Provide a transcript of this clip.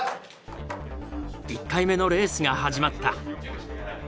１回目のレースが始まった。